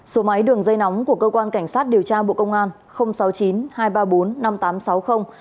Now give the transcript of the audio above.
số máy đường dây nóng của cơ quan cảnh sát điều tra bộ công an sáu mươi chín hai trăm ba mươi bốn năm nghìn tám trăm sáu mươi